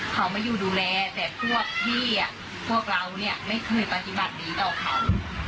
เขามาอยู่ดูแลแต่พวกพี่พวกเราเนี่ยไม่เคยปฏิบัติดีต่อเขา